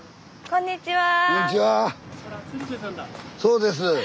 こんにちは！